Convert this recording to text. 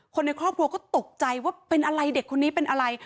คนในครอบครัวก็ตกใจว่าเป็นอะไรเด็กคนนี้เป็นอะไร